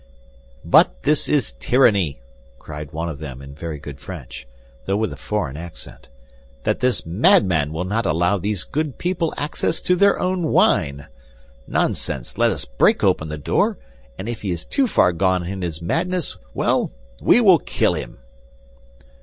"But this is tyranny!" cried one of them, in very good French, though with a foreign accent, "that this madman will not allow these good people access to their own wine! Nonsense, let us break open the door, and if he is too far gone in his madness, well, we will kill him!"